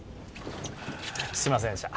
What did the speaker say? すみませんでした。